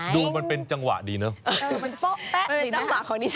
ดูมันเป็นจังหวะดีเนอะ